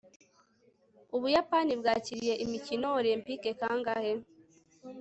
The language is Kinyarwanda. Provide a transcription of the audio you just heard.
ubuyapani bwakiriye imikino olempike kangahe